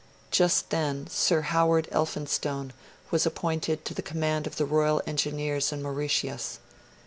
Just then, Sir Howard Elphinstone was appointed to the command of the Royal Engineers in Mauritius.